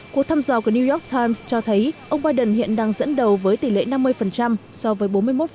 cuộc thăm dò của new york times cho thấy ông biden hiện đang dẫn đầu với tỷ lệ năm mươi so với bốn mươi một